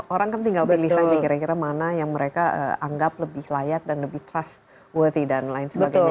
orang kan tinggal pilih saja kira kira mana yang mereka anggap lebih layak dan lebih trust worthy dan lain sebagainya